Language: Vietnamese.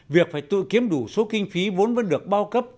việc phải tự kiếm đủ số kinh phí vốn vẫn được bao cấp